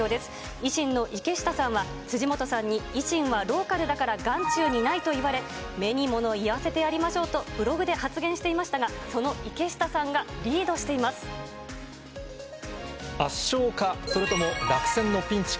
維新の池下さんは、辻元さんに維新はローカルだから眼中にないと言われ、目に物言わせてやりましょうと、ブログで発言していましたが、圧勝か、それとも落選のピンチか。